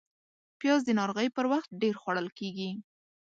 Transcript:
پیاز د ناروغۍ پر وخت ډېر خوړل کېږي